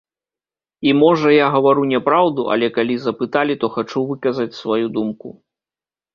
І, можа, я гавару няпраўду, але калі запыталі, то хачу выказаць сваю думку.